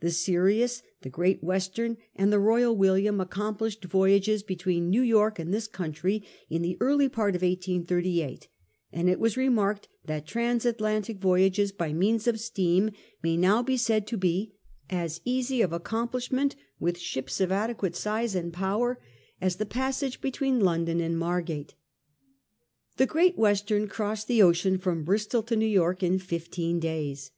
The Sirius, the Great Western , and the Royal William accomplished voyages between New York and this country in the early part of 1838; and it was remarked, that ' Transatlantic voyages by means of steam may now be said to be as easy of ac complishment, with ships of adequate size and power, as the passage between London and Margate.' The Great Western crossed the ocean from Bristol to New York in fifteen days.